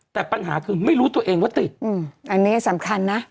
แต่ปัญหาคือไม่รู้ตัวเองว่าติดอันนี้สำคัญนะ